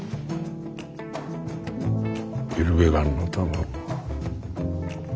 イルベガンの卵。